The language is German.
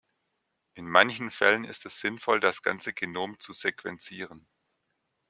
In manchen Fällen ist es sinnvoll, das ganze Genom zu sequenzieren.